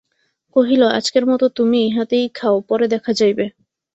কহিল, আজকের মতো তুমি ইহাতেই খাও, পরে দেখা যাইবে।